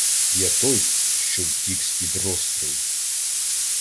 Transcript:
Я той, що втік із-під розстрілу.